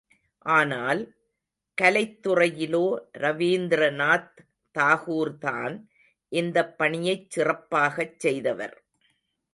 ஆனால், கலைத் துறையிலோ ரவீந்திரநாத் தாகூர்தான் இந்தப் பணியைச் சிறப்பாகச் செய்தவர்.